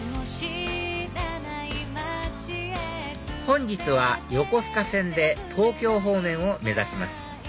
本日は横須賀線で東京方面を目指します